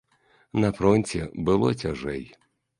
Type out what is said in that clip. На фронце было цяжэй.